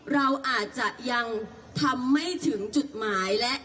เราอาจจะยังทำไม่ถึงจุดหมายและ